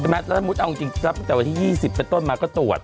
แล้วสมมุติเอาจริงรับตั้งแต่วันที่๒๐เป็นต้นมาก็ตรวจ